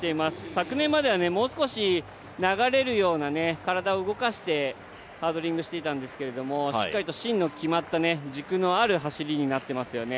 昨年まではもう少し流れるような、体を動かしてハードリングをしていたんですけれども、しっかりと芯の決まった軸のある走りになってますよね。